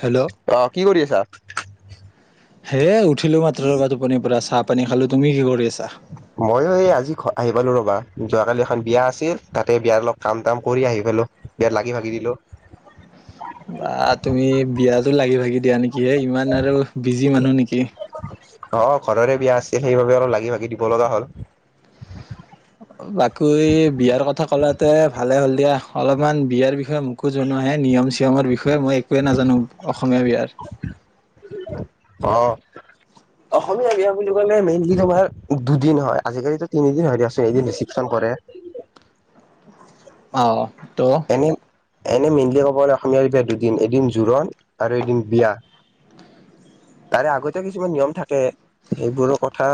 Hello আহ কি কৰি আছা [unintelligible] হে উঠ উঠিলো মাত্ৰাৰ বা টোপনিৰ পৰা চাপ পানী খালোঁ তুমি কি কৰি আছা মই এই আজি আহি পালো ৰবা যোৱাকালি এখন বিয়া আছিল তাতে বিয়াৰ অলপ কাম তাম কৰি আহি পালো বিয়াত লাগি ভাগি দিলো বা তুমি বিয়াতো লাগি ভাগি দিয়া নেকি হে ইমান আৰু বিজি মানুহ নেকি অ ঘৰৰে বিয়া আছে সেইবাবে অলপ লাগি ভাগি দিব লগা হ'ল বাকী বিয়াৰ কথা কলাতে ভালে হ'ল দিয়া অলপমান বিয়াৰ বিষয় ষয়ে মুকো জনোৱাে নিয়ম চিয়ম তেওঁৰ বিষয়ে মই একোৱে নাজানো অসমীয়া বিয়াৰ অ অসমীয়া বিয়া বুলি কলে মেইনলি আমাৰ দুদিন হয় আজিকালি তিনিদিন হয় দিয়াছোন এদিন ৰিচিপচন কৰে অ ত এনে এনে মেইনলি ক'ব গলে অসমীয়াৰ বিয়া দুদিন এদিন জোৰণ আৰু এদিন বিয়া তাৰে আগতে কিছুমান নিয়ম থাকে সেইবোৰৰ কথা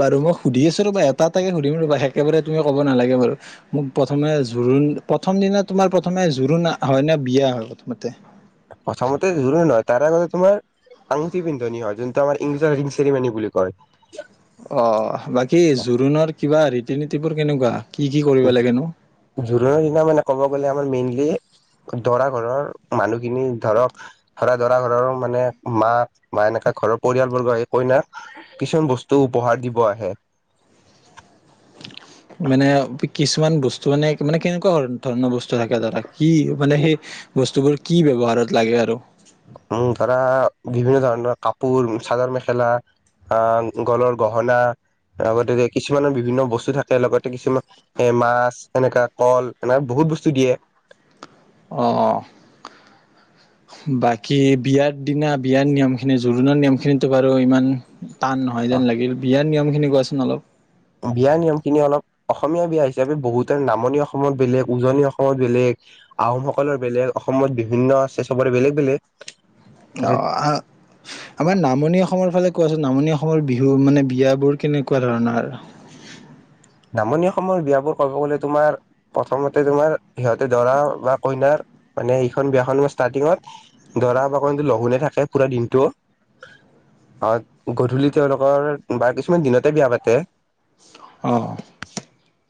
বাৰু মই সুধি আছো ৰ'বা এটা এটাকে সুধিম ৰবা একেবাৰে তুমি ক'ব নালাগে বাৰু মোক প্ৰথমে জোৰোণ প্ৰথম দিনা তোমাৰ প্ৰথমে জোৰোণ হয় নে বিয়া হয় প্ৰথমতে প্ৰথমতে জোৰোণ হয় তাৰে আগতে তোমাৰ আঙুঠি পিন্ধনি হয় যোনটো আমাৰ ইংলিছত ৰিং চেৰিমানি বুলি কয় অ তিনি টিপুৰ কেনেকুৱা কি কি কৰিব লাগেনো জোৰোণৰ দিনা মানে ক'ব গ'লে মেইনলি দৰা ঘৰৰ মানুহখিনি ধৰক ধৰা দৰা ঘৰৰ মানে মাক বা এনেককা ঘৰৰ পৰিয়ালবৰ্গ সেই কইনাক কিছুমান বস্তু উপহাৰ দিব আহে মানে কিছুমান বস্তু মানে মানে কেনেকুৱা ধৰণৰ বস্তু থাকে ধৰা কি মানে সেই বস্তুবোৰ কি ব্যৱহাৰত লাগে আৰু উম ধৰা বিভিন্ন ধৰণৰ কাপোৰ, চাদৰ মেখেলা আহ গলৰ গহনা লগতে কিছুমানৰ বিভিন্ন বস্তু থাকে লগতে কিছুমান এৰ মাছ এনেকা কল এনেক বহুত বস্তু দিয়ে অ বাকী বিয়াৰ দিনা বিয়াৰ নিয়মখিনি জোৰোণৰ নিয়ম খিনো বাৰু ইমান টান নহয় যেন লাগিল বিয়াৰ নিয়ম খিনি কোৱাচোন অলপ বিয়া নিয়ম খিনি অলপ অসমীয়া বিয়া হিচাপে বহুত নামনি অসমত বেলেগ উজনি অসমত বেলেগ আহোমসকলৰ বেলেগ অসমত বিভিন্ন আছে সবৰে বেলেগ বেলেগ অ তাতে আমাৰ নামনি অসমৰ ফালে কোৱাচোন নামনি অসমৰ বিহু মানে বিয়াবোৰ কেনেকুৱা ধৰণৰ নামনি অসমৰ বিয়াবোৰ ক'ব গলে তোমাৰ প্ৰথমতে তোমাৰ সিহঁতে দৰা বা কইনাৰ মানে এইখন বিয়াখন ষ্টাৰ্টিঙত দৰা বা কইনটো লঘোনে থাকে পুৰা দিনটো গধূলি তেওঁলোকৰ বা কিছুমান দিনতে বিয়া পাতে অঁ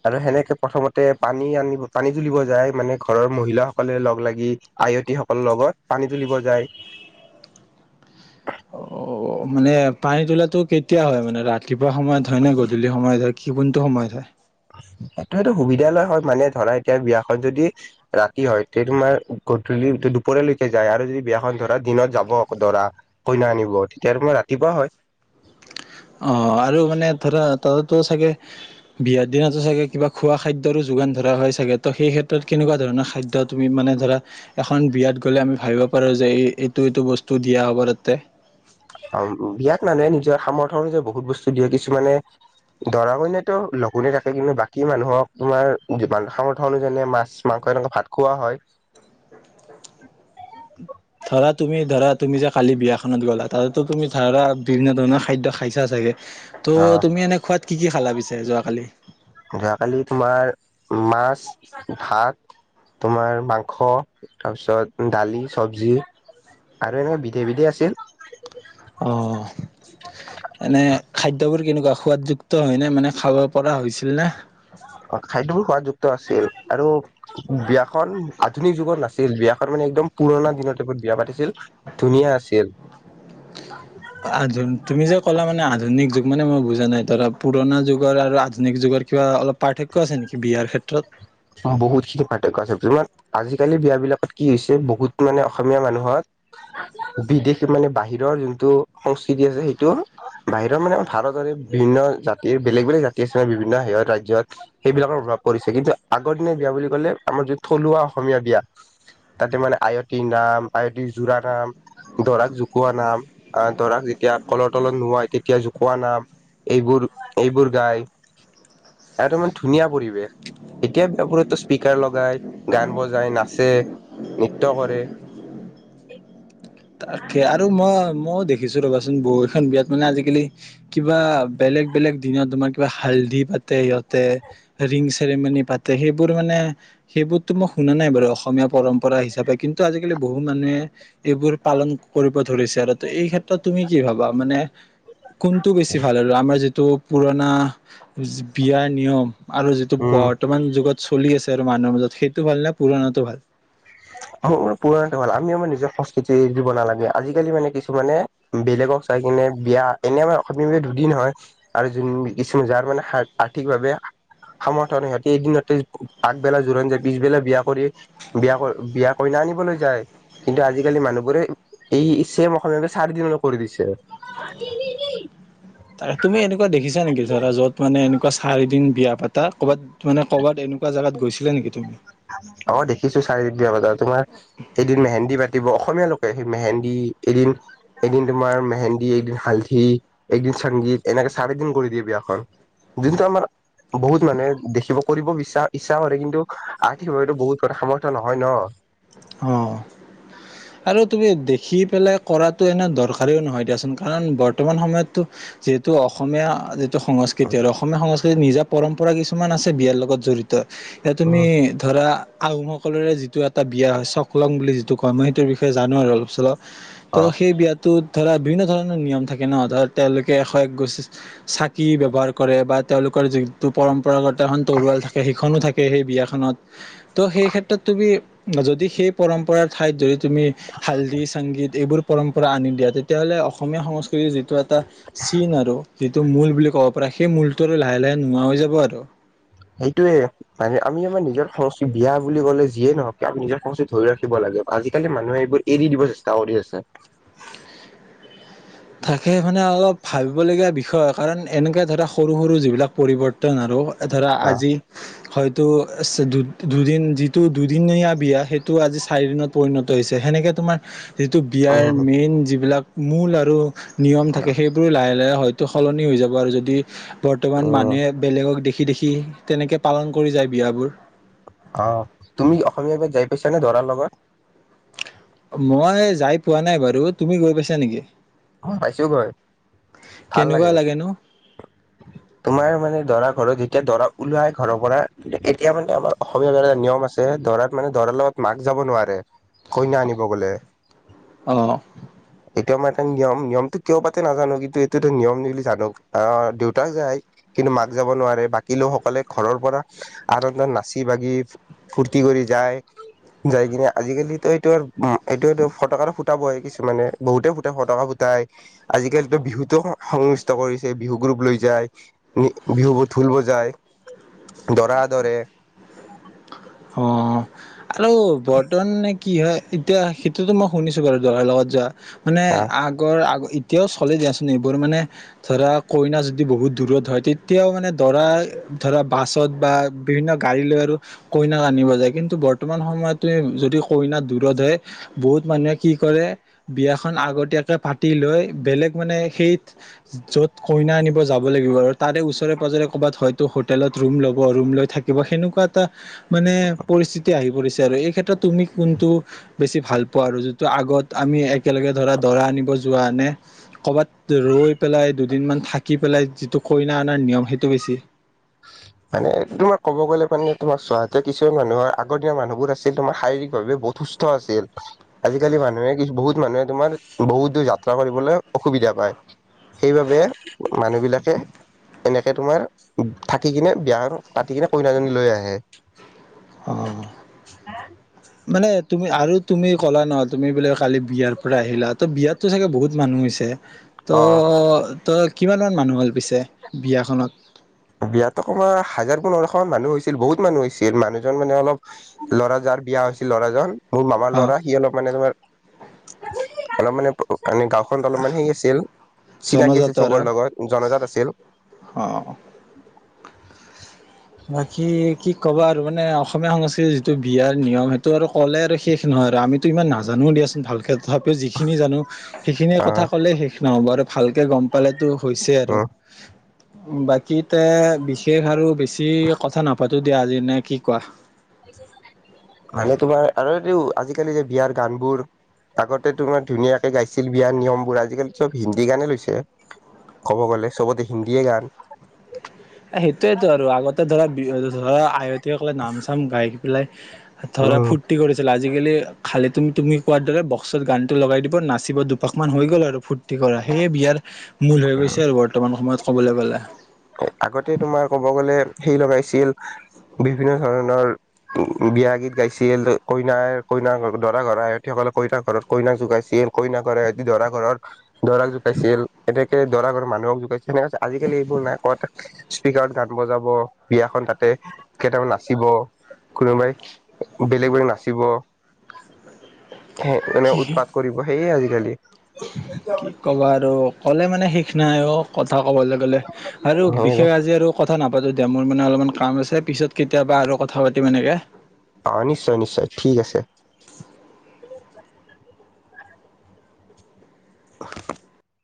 আৰু সেনেকে প্ৰথমতে পানী আনিব পানী তুলিব যায় মানে ঘৰৰ মহিলাসকলে লগ লাগি আয়তী সকলৰ লগত পানী তুলিব যায় অ মানে পানী তোলা কেতিয়া হয় মানে ৰাতিপুৱা সময়ত হয় নে গধূলি সময়ত হয় কি কোনটো সময়ত হয় সেটো সেইটো সুবিধা লয় হয় মানে ধৰা এতিয়া বিয়াখন যদি ৰাতি হয় তেতিয়া তোমাৰ গধূলি দুপৰলৈকে যায় আৰু যদি বিয়াখন ধৰা দিনত যাব আকৌ দৰা কইনা আনিব তেতিয়া তোমাৰ ৰাতিপুৱা হয় অ আৰু মানে ধৰা তাতো চাগে, বিয়াৰ দিনতো চাগে কিবা খোৱা খাদ্যৰো যোগান ধৰা হয় চাগে ত সেই ক্ষেত্ৰত কেনেকুৱা ধৰণৰ খাদ্য তুমি মানে ধৰা এখন বিয়াত গলে আমি ভাবিব পাৰো যে এই এইটো এইটো বস্তু দিয়া হ'ব তাতে অমভ, বিয়াক মানুহে নিজৰ সামৰ্থ অনুযায়ী বহুত বস্তু দিয়ে, কিছুমানে দৰা কইনাতো লঘোণে থাকে কিন্তু বাকী মানুহক তোমাৰ সামৰ্থ অনুযায়ী মাছ মাংস এনেকুৱা ভাত খুওৱা হয় ধৰা তুমি ধৰা তুমি যে কালি বিয়াখনত গ'লা, তাতো তুমি ধৰা বিভিন্ন ধৰণৰ খাদ্য খাইছা চাগে আহ ত' তুমি এনে খোৱাত কি কি খালা পিছ এ যোৱাকালি? যোৱাকালি তোমাৰ মাছ, ভাত তোমাৰ মাংস তাৰপিছত দালি, চবজি আৰু এনেকে বিধে বিধে আছিল অ, এনে খা দ্যবোৰ কেনেকুৱা, সোৱাদযুক্ত হয়নে মানে খাব কৰা হৈছিল নে? ত আছিল আৰু বিয়াখন আধুনিক যুগত নাছিল, বিয়াখন মানে একদম পুৰণা দিনত এইবোৰ বিয়া পাতিছিল, ধুনীয়া আছিল। আধু তুমি যে ক'লা মানে আধুনিক যুগ মানে মই বুজা নাই ধৰা পুৰণা যুগৰ আৰু জোনাকী যুগত কিবা অলপ পাৰ্থক ক্য আছে নেকি বিয়াৰ ক্ষেত্ৰত? অ বহুতখিনি পাৰ্থক্য আছে যুনত আজিকালিৰ বিয়া বিলাকত কি হৈছে বহুত মানে অসমীয়া মানুহৰ বিদেশ মানে বাহিৰৰ যোনটো সংস্কৃতি আছে সেইটো বাহিৰৰ মানে ভাৰতৰে বিভিন্ন জাতিৰ বেলেগ বেলেগ জাতি আছে মানে বিভিন্ন হত ৰাজ্যত সেইবিলাকৰ প্ৰভাৱ পৰিছে কিন্তু আগৰ দিনীয়া বিয়া বুলি কলে আমাৰ যি থলুৱা অসমীয়া বিয়া, তাতে মানে আয়তীৰ নাম, আয়তী জোৰা নাম, দৰাক জোকোৱা নাম, দৰাক যেতিয়া কলৰ তলত নোৱাই তেতিয়া জোকোৱা নাম এইবোৰ এইবোৰ গায় এটো মানে ধুনীয়া পৰিৱেশ। এতিয়া বিয়াবোৰতো স্পীকাৰ লগায়, গান বজায় নাচে, নৃত্য কৰে। তাকে আৰু মই ময়ো দেখিছো ৰবাচোন বহুখন বিয়াত মানে আজিকালি কিবা বেলেগ বেলেগ দিনত তোমাৰ কিবা হালধি পাতে ইহত তে ৰিং চৰেমানি পাতে সেইবোৰ মানে, সেইবোৰতো মই শুনা নাই বাৰু অসমীয়া পৰম্পৰা হিচাপে কিন্তু আজিকালি বহু মানুহে এইবোৰ পালন কৰিব ধৰিছে আৰু এই ক্ষেত্ৰত তুমি কি ভাবা মানে কোনটো বেছি ভাল আৰু আমাৰ যদি তো' পুৰণা, বিয়াৰ নিয়ম আৰু যিটো উম বৰ্তমান যুগত চলি আছে আৰু মানুহৰ মাজত সেইটো ভাল নে পুৰণাতো ভাল? অও অ, পুৰনাটো ভাল আমি আমাৰ নিজৰ সংস্কৃতি দিব নালাগে আজিকালি মানে কিছুমানে, বেলেগক চাই কিনে বিয়া এনে আমাৰ অসমীয়া বিয়া দুদিন হয় আৰু য কিছুমান যাৰ মানে আৰ্থিকভাৱে সমৰ্থন সিহঁতি এদিনতে আগবেলা জোৰোণ যায় পিছবেলা বিয়া কৰি বিয়া কৰি বিয়া কইনা আনিবলৈ যায় কিন্তু আজিকালি মানুহবোৰে এই ছেম অসমীয়া চাৰিদিনলৈ কৰি দিছে। ত তুমি এনেকুৱা দেখিছা নেকি ধৰা যত মানে এ কা চাৰি দিন বিয়া পা গৈছিলা নেকি তুমি? অ দেখিছো চাৰে তিনিটা বজাত তোমাৰ, সেইদিন মেহেন্দি পাতিব অসমীয়া লোকে সেই মেহেন্দী এদিন, এদিন তোমাৰ মেহেন্দী, এদিন হালধি, এদিন সংগীত এনেকে চাৰিদিন কৰি দিয়ে বিয়াখন যোনটো আমাৰ বহুত মানে দেখিব কৰিব বিচছা ইচ্ছা কৰে কিন্তু আৰ্থিকভাৱেতো বহুত কথা সামৰ্থ নহয় ন। অ। আৰু তুমি দেখি পেলাই কৰাতো এনে দৰকাৰীও নহয় দিয়াচোন কাৰণ বৰ্তমান সময়ততো যিহেতু অসমীয়া সংস্কৃতি আৰু অসমীয়া সংস্কৃতি নিজা পৰম্পৰা কিছুমান আছে বিয়াৰ লগত জড়িত। এ উ তুমি ধৰা আহোমসকলোৰে যিটো এটা বিয়া হয় চকলং বুলি যিটো কই মই টো বিষয়ে জানো আৰু অলপ চলপ ত' অ সেই বিয়াত তো ধৰা বিভিন্ন ধৰণৰ নিয়ম থাকে ন ধৰ তেওঁলোকে এশ একগছি চাকি ব্যৱহাৰ কৰে বা তেওঁলোকৰ য পৰম্পৰাগত এখন তৰুৱাল থাকে সেইখনো থাকে সে সেই বিয়াখনত তো সেই ক্ষেত্ৰত তুমি যদি সেই পৰম্পৰাৰ ঠাইত জড়িত তুমি হাল্দি সংগীত এইবোৰ পৰম্পৰা আনি দিয়া তেতিয়াহ'লে অসমীয়া সংস্ক কৃতি যিটো এটা চিন আৰু যিটো মূল বুলি ক'ব পৰা সেই মূল টো লাহে লাহে নোহোৱা হৈ যাব আৰু ত সেইটোৱে মানে আমি আমাৰ নিজৰ সংস্কৃতি বিয়া বুলি কলে যিয়ে নহওক আমি নিজৰ সংস্কৃতি ধৰি ৰাখিব লাগে আজিকালি মানুহে এইবোৰ এৰি দিব চেষ্টা কৰি আছে থাকে মানে অলপ ভাবিবলগীয়া বিষয় কাৰণ এনেকৈ ধৰা সৰু সৰু যিবিলাক পৰিৱৰ্তন আৰু ধৰা আহ আজি হয়তো দুদিন যিটো দুদিনীয়া বিয়া সেইটো তো আজি চাৰিদিনত পৰিণত হৈছে সেনেকে তোমাৰ যিটো বিয়াৰ উম মেইন যিবিলাক মূল আৰু নিয়ম থাকে সেইবোৰো লাহে হয়তো সলনি হৈ যাব আৰু যদি বৰ্তমান উম মানুহে বেলেগক দে খি দেখি তেনেকৈ পালন কৰি যায় বিয়াবোৰ অহ তুমি অসমীয়া বিয়াত যাই পাইছানে দৰাৰ লগত মই যাই পোৱা নাই বাৰু তুমি গৈ পাইছা নেকি ম পাইছো বাৰু ভাল কেনেকুৱা লাগে লাগেনো তোমাৰ মানে দৰা ঘৰত যেতিয়া দৰা ওলাই ঘৰৰ পৰা এতিয়া মানে আমাৰ অসমীয়া এটা নিয়ম আছে দৰা মানে দৰাৰ লগত মাক যাব নোৱাৰে কইনা আনিব গ'লে অ এতিয়া মানে নিয়ম নিয়মটো কিয় পাতে নাজানো কিন্তু এইটোতো নিয়ম বুলি জানো আহ দেউতাক যায় কিন্তু মাক যাব নোৱাৰে বাকী লোকসকলে ঘৰৰ পৰা আনন্দত নাচি বাগি ফূৰ্তি কৰি যায় যাই কিনে আজিকালি এইটো এইটোটো ফটকাৰ ফুটাবই কিছুমানে বহুতে ফটকা ফুটাই আজিকালিতো বিহুতো সংমিষ্ট কৰিছে বিহু গ্ৰুপ লৈ যায় বিহুবোৰ ঢোল বজায় দৰা আদৰে আৰুল' বৰ্তন নে কি হয় এতিয়া সেইটোতো মই শুনিছো বাৰু দৰাৰ লগত যোৱা মানে আহ আগৰ আগ এতিয়াও চলে যাচোন এইবোৰ মানে ধৰা কইনা যদি বহুত দূৰত হয় তেতিয়াও মানে দৰা ধৰা বাছত বা বিভিন্ন গাড়ী লৈ আৰু কইনাক আনিব যায় কিন্তু বৰ্তমান সময়ত যদি কইনাক দূৰত হয় বহুত মানুহে কি কৰে বিয়াখন আগতীয়াকে পাতি লৈ বেলেগ মানে সেই য'ত কইনা আনিব যাব লাগিব আৰু তাৰে ওচৰে পাজৰে ক'ৰবাত হয়তো হোটেলত ৰুম ল'ব ৰুম লৈ থাকিব সেনেকুৱা এটা মানে পৰিস্থিতি আহি পৰিছে আৰু এই ক্ষেত্ৰত তুমি কোনটো বেছি ভাল পোৱা আৰু যিটো আগত আমি এক একেলগে ধৰা দৰা আনিব যোৱা নে কৰ'বাত ৰৈ পেলাই দুদিন মান থাকি পেলাই যিটো কইনা অনাৰ নিয়ম সেইটো বেছি মানে তোমাৰ কব গ'লে মানে তোমাৰ চোৱাতে কিছুমান মানুহৰ আগৰ দিনৰ মানুহবোৰ আছিল তোমাৰ শাৰীৰিকভাৱে বহুত সুস্থ আছিল। আজিকালি মানুহে বহুত মানুহে তোমাৰ বহুত দূৰ যাত্ৰা কৰিবলৈ অসুবিধা পায়। সেইবাবে মানুহ বিলাকে এনেকে তোমাৰ থাকি কিনে বিয়া পাতি কিনে কইনাজনী লৈ আহে। অ মানে তুমি আৰু তুমি ক'লা ন তুমি বোলে কালি বিয়াৰ পৰা আহিলা তো বিয়াততো চাগে বহুত মানুহ হৈছে ত অ' ত কিমানমান মানুহ হ'ল পিছে বিয়াখনত বিয়াতকমাৰ হাজাৰ পোন্ধৰশ মানুহ হৈছিল বহুত মানুহ হৈছিল মানুহজন মানে অলপ লৰা যাৰ বিয়া হৈছিল ল'ৰাজন মোৰ মামাৰ অ ল'ৰা সি অলপ মানে তোমাৰ অলপ মানে মানে গাঁওখন অলপমান সেই আছিল চিনাকি আছিল জনজাত আৰু চবৰে লগত জনজাত আছিল অ বাকী কি ক'বা আৰু মানে অসমীয়া সংস্কৃতিৰ যিটো বিয়াৰ নিয়ম সেইটো আৰু ক'লে আৰু শেষ নহয় আৰু আমিতো ইমান নাজানো দিয়াচোন ভালকে [unintelligible] যিখিনি জানো সেইখিনিয়ে কথা আহ ক'লে শেষ নহব আৰু ভালকে গম পালেতো হৈছে আৰু উম। উম বাকী বিশেষ আৰু বেছি কে কথা নাপা- পাতো দিয়া আজি নে কি কোৱা মানে তোমাৰ আৰু এইটো আজিকালি যে বিয়াৰ গানবোৰ আগতে তোমাৰ ধুনীয়াকে গাইছিল বিয়াৰ নিয়মবোৰ আজিকালি চব হিন্দী গানে লৈছে ক'ব গলে সবতে হিন্দীয়ে গান [unintelligible] তেওঁ কলে নাম চাম গায় বিলাই ধৰা ফুুৰ্তি কৰিছিল আজি আজিকালি খালি তুমি তুমি কোৱাৰ দৰে বক্সত গানটো লগাই দিব নাচিব দুপাক মান হৈ গ'ল আৰু ফুৰ্তি কৰা সেয়ে বিয়াৰ মূল হৈ গৈছে আৰু বৰ্তমান সময়ত কবলৈ গলে আগতে তোমাৰ ক'ব গলে সেই লগাইছিল বিভিন্ন ধৰণৰ বিয়া গীত গাইছিল কইনাৰ কইনা দৰা ঘৰৰ আয়তীসকলে কইনাৰ ঘৰত কইনাক যোগাইছিল কইনা ঘৰে এতি দৰা ঘৰত দৰাক জোকাইছিল এতেক কে দৰা ঘৰ মানহক যোগাইছে তেনেকৈছে আজিকালি এইবোৰ নাই। স্পকাৰত গান বজাব বিয়াখন তাতে কেইটামান নাচিব কোনোবাই বেলেগ বেলেগ নাচিব। স মানে কি উৎপাত কৰিব সেয়ে আজি। ক [unintelligible] কি কবা আৰু ক'লে মানে শেষ। সিখিনায় ক'ত। কথা ক'বলৈ গ'লে আৰু হয় বিশেষ আজি আৰু কথা নাপাতো। এতিয়া মোৰ মানে অলপমান কাম আছে পিছত কেতিয়াবা আৰু কথা পাতিম এনেকে। অ নিশ্চয় নিশ্চয় ঠিক আছে। [unintelligible]